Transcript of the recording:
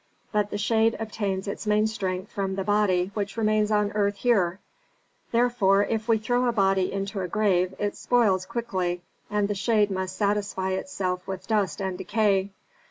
But the shade obtains its main strength from the body which remains on the earth here. Therefore if we throw a body into a grave it spoils quickly and the shade must satisfy itself with dust and decay.